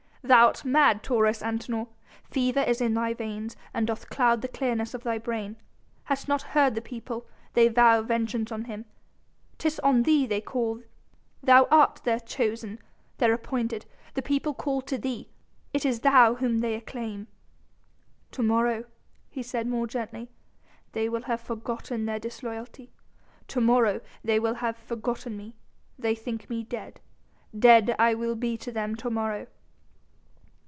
"Thou'rt mad, Taurus Antinor! Fever is in thy veins and doth cloud the clearness of thy brain.... Hast not heard the people? They vow vengeance on him.... 'Tis on thee they call ... thou art their chosen, their anointed; the people call to thee. It is thou whom they acclaim." "To morrow," he said more gently, "they will have forgotten their disloyalty. To morrow they will have forgotten me ... they will think me dead ... dead will I be to them to morrow."